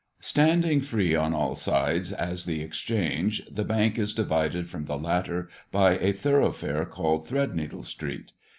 Standing free on all sides as the Exchange, the Bank is divided from the latter by a thoroughfare called Threadneedle street.